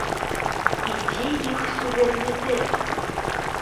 І дзе іх суверэнітэт?